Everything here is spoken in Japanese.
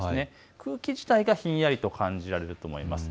空気自体がひんやりと感じられると思います。